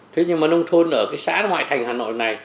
thế nhưng mà nông thôn ở cái xã ngoại thành hà nội này